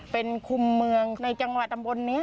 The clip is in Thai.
เป็นคุมเมืองในจังหวัดตำบลนี้